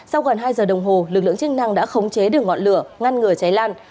sau gần hai giờ đồng hồ lực lượng chức năng đã khống chế được ngọn lửa ngăn ngừa cháy lan